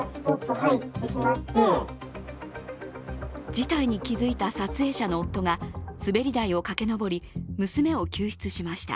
事態に気づいた撮影者の夫が滑り台を駆け上り、娘を救出しました。